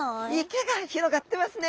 池が広がってますね！